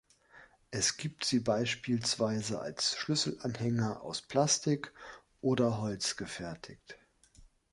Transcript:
Es gibt sie beispielsweise als Schlüsselanhänger aus Plastik oder Holz gefertigt.